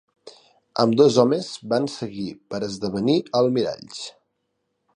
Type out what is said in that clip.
Ambdós homes van seguir per esdevenir almiralls.